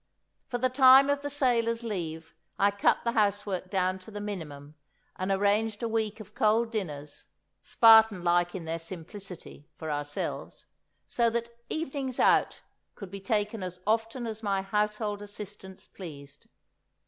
For the time of the sailors' leave I cut the housework down to the minimum and arranged a week of cold dinners, Spartan like in their simplicity, for ourselves, so that "evenings out" could be taken as often as my household assistants pleased.